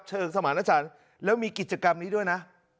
สมารณชันแล้วมีกิจกรรมนี้ด้วยนะ